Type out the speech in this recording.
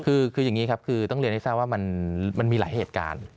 คืออย่างนี้ครับคือต้องเรียนให้ทราบว่ามันมีหลายเหตุการณ์